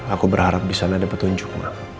aku berharap di sana ada petunjuk